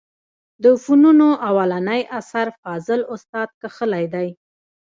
د فنونو اولنى اثر فاضل استاد کښلى دئ.